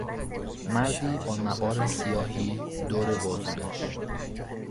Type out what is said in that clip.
مردی با نوار سیاهی دور بازویش